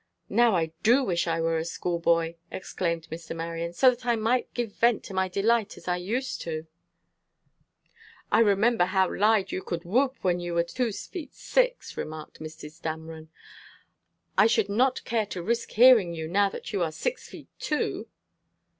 "Now I do wish I were a school boy!" exclaimed Mr. Marion, "so that I might give vent to my delight as I used to." "I remember how loud you could whoop when you were two feet six," remarked Mrs. Dameron. "I should not care to risk hearing you, now that you are six feet two."